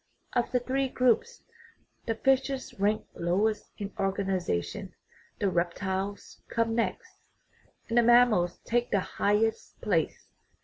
Of the three groups the fishes rank lowest in organization, the reptiles come next, and the mammals take the highest place.